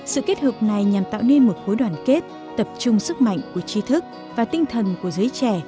sự kết hợp này nhằm tạo nên một khối đoàn kết tập trung sức mạnh của trí thức và tinh thần của giới trẻ